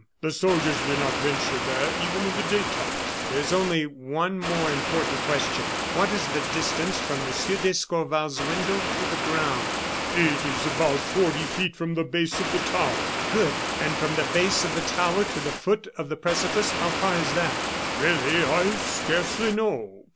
The soldiers do not venture there even in the daytime." "There is one more important question. What is the distance from Monsieur d'Escorval's window to the ground?" "It is about forty feet from the base of the tower." "Good! And from the base of the tower to the foot of the precipice how far is that?" "Really, I scarcely know.